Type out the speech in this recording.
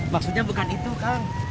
maksudnya bukan itu kang